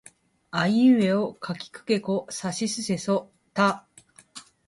あいうえおかきくけこさしすせそた